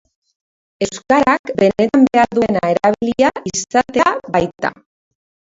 Euskarak benetan behar duena erabilia izatea baita.